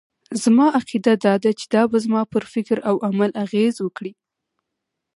زما عقيده دا ده چې دا به زما پر فکراو عمل اغېز وکړي.